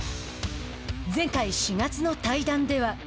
前回、４月の対談では。